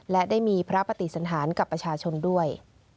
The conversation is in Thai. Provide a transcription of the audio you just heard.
และได้มีพระปฏิสันธารกับประชาชนด้วย